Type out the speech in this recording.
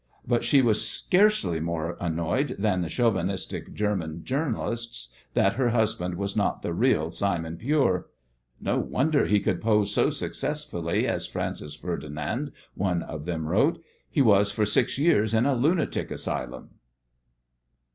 But she was scarcely more annoyed than the Chauvinistic German journalists that her husband was not the real Simon Pure. "No wonder he could pose so successfully as Francis Ferdinand," one of them wrote, "he was for six years in a lunatic asylum."